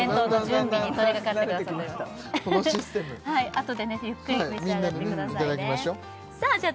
あとでねゆっくりと召し上がってくださいねさあじゃあ